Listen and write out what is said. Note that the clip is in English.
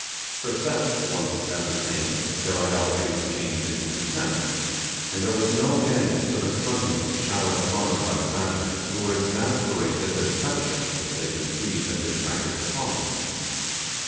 Her sex once ascertained, their idolatry was changed into contempt and there was no end to the contumely showered upon her by the savages, who were exasperated at the deception which they conceived had been practised upon them.